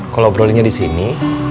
kalau obrolinnya di sini